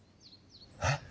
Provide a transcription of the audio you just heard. えっ？